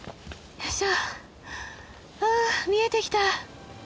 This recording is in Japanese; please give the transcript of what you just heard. あ見えてきた。